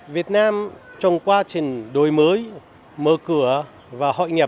việt nam trong quá trình đổi mới mở cửa và hội nhập